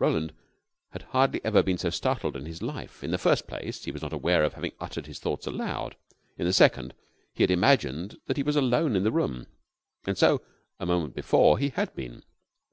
Roland had hardly ever been so startled in his life. In the first place, he was not aware of having uttered his thoughts aloud; in the second, he had imagined that he was alone in the room. And so, a moment before, he had been.